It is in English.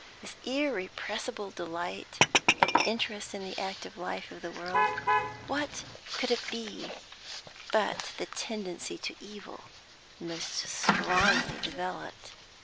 This irrepressible delight and interest in the active life of the world, what could it be but the tendency to evil, most strongly developed?